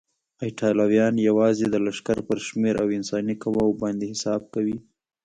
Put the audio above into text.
ایټالویان یوازې د لښکر پر شمېر او انساني قواوو باندې حساب کوي.